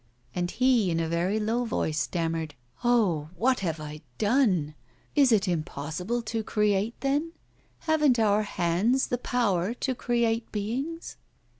And he, in a very low voice, stammered: 'Oh! what have I done? Is it impossible to create, then? Haven't our hands the power to create beings?